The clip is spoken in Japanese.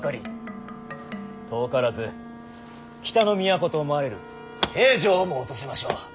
遠からず北の都と思われる平壌をも落とせましょう。